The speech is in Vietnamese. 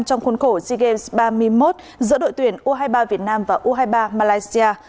trong khuôn khổ sea games ba mươi một giữa đội tuyển u hai mươi ba việt nam và u hai mươi ba malaysia